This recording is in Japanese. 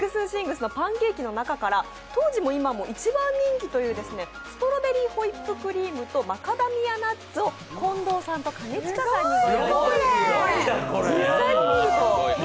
’ｎＴｈｉｎｇｓのパンケーキの中から当時も今も一番人気というストロベリー、ホイップクリームとマカダミアナッツを近藤さんと兼近さんにご用意しました。